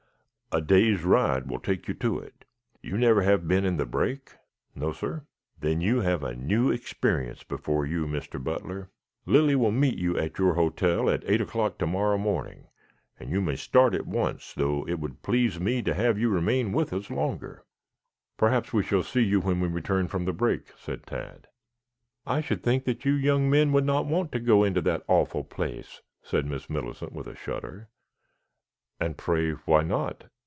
"A day's ride will take you to it. You never have been in the brake?" "No, sir." "Then you have a new experience before you, Mr. Butler. Lilly will meet you at your hotel at eight o'clock tomorrow morning, and you may start at once, though it would please me to have you remain with us longer." "Perhaps we shall see you when we return from the brake," said Tad. "I should think you young men would not want to go into that awful place," said Miss Millicent with a shudder. "And pray, why not?"